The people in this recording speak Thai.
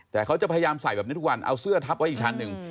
แต่เขาจะพยายามใส่แบบนี้ทุกวันเอาเสื้อทับไว้อีกชั้นหนึ่ง